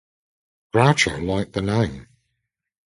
Groucho liked the name.